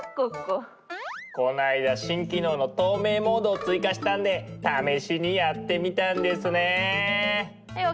この間新機能の透明モードを追加したんで試しにやってみたんですね。